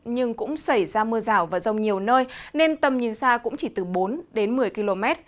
nhưng cũng xảy ra mưa rào và rông nhiều nơi nên tầm nhìn xa cũng chỉ từ bốn đến một mươi km